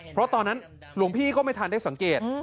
เพราะตอนนั้นหลวงพี่ก็ไม่ทันได้สังเกต